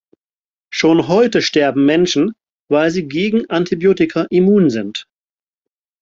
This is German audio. Schon heute sterben Menschen, weil sie gegen Antibiotika immun sind.